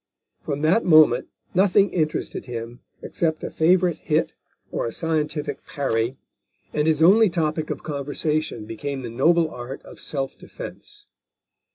From that moment nothing interested him except a favourite hit or a scientific parry, and his only topic of conversation became the noble art of self defence.